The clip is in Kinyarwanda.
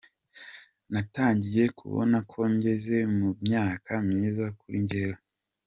Natangiye kubona ko ngeze mu myaka myiza kuri njyewe.